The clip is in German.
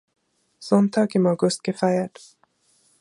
Sonntag im August gefeiert.